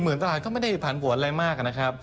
เมื่อวาน๔๐๐๐๐ตลาดก็ไม่ได้ผ่านบ่วนอะไรมาก